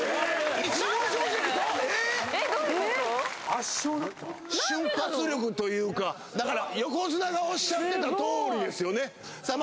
圧勝だった瞬発力というかだから横綱がおっしゃってたとおりですよねさあ